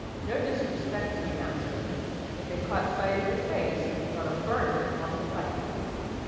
No disrespect to you, master; if they caught sight of your face, not a bird would come up the pipe.